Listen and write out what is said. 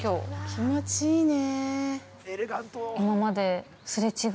◆気持ちいいね。